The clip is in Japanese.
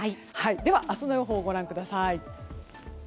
では、明日の予報をご覧ください。